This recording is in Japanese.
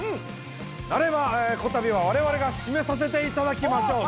なればこたびは我々が締めさせていただきましょう！